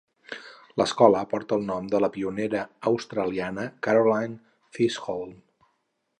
L'escola porta el nom de la pionera australiana Caroline Chisholm.